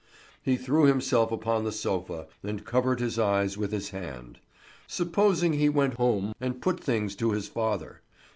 He threw himself upon the sofa and covered his eyes with his hand. Supposing he went home and put things to his father?